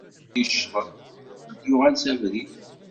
Win yeccḍen, ad d-yuɣal s abrid.